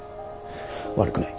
悪くない。